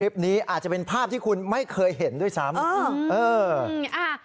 อาจจะเป็นภาพที่คุณไม่เคยเห็นด้วยซ้ำเออ